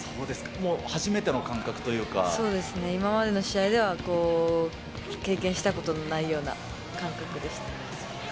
もう初めての感そうですね、今までの試合では経験したことのないような感覚でした。